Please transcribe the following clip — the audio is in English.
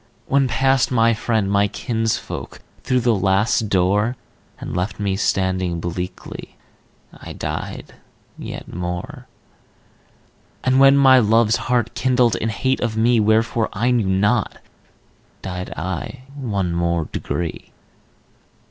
When passed my friend, my kinsfolk, Through the Last Door, And left me standing bleakly, I died yet more; And when my Love's heart kindled In hate of me, Wherefore I knew not, died I One more degree.